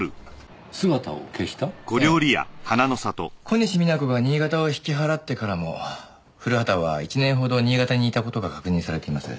小西皆子が新潟を引き払ってからも古畑は１年ほど新潟にいた事が確認されています。